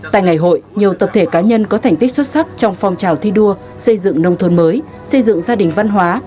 tại ngày hội nhiều tập thể cá nhân có thành tích xuất sắc trong phong trào thi đua xây dựng nông thôn mới xây dựng gia đình văn hóa